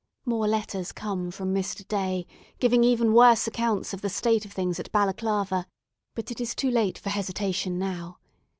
More letters come from Mr. Day, giving even worse accounts of the state of things at Balaclava; but it is too late for hesitation now.